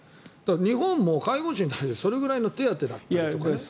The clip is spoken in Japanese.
日本も介護士に対してそれくらいの手当だったりとかね。